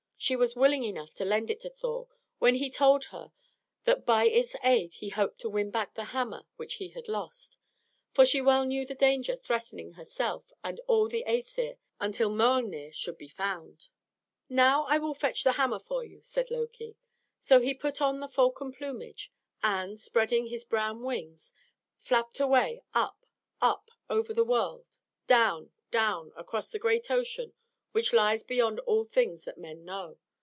She was willing enough to lend it to Thor when he told her that by its aid he hoped to win back the hammer which he had lost; for she well knew the danger threatening herself and all the Æsir until Miölnir should be found. "Now will I fetch the hammer for you," said Loki. So he put on the falcon plumage, and, spreading his brown wings, flapped away up, up, over the world, down, down, across the great ocean which lies beyond all things that men know.